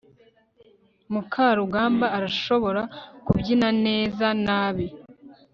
mukarugambwa arashobora kubyina neza nabi